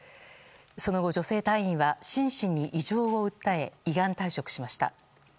その後、女性隊員は心身に異常を訴え依願退職しました。